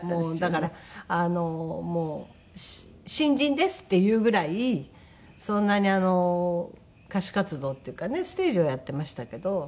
だからもう新人ですっていうぐらいそんなに歌手活動っていうかねステージはやっていましたけど。